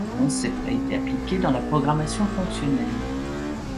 Le concept a été appliqué dans la programmation fonctionnelle.